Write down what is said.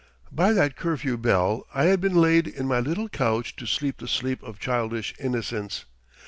By that curfew bell I had been laid in my little couch to sleep the sleep of childish innocence.